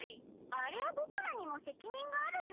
あれはボクらにもせきにんがあるよ。